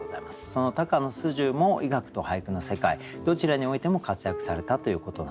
その高野素十も医学と俳句の世界どちらにおいても活躍されたということなんです。